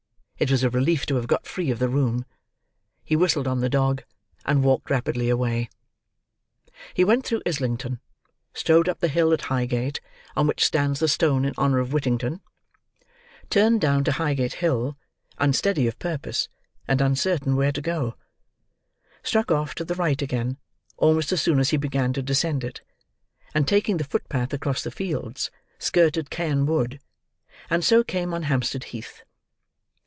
It was a relief to have got free of the room. He whistled on the dog, and walked rapidly away. He went through Islington; strode up the hill at Highgate on which stands the stone in honour of Whittington; turned down to Highgate Hill, unsteady of purpose, and uncertain where to go; struck off to the right again, almost as soon as he began to descend it; and taking the foot path across the fields, skirted Caen Wood, and so came on Hampstead Heath.